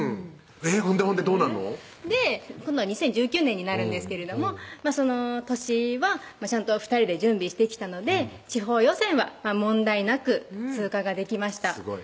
ほんでほんでどうなんの？で今度は２０１９年になるんですけれどもその年はちゃんと２人で準備してきたので地方予選は問題なく通過ができました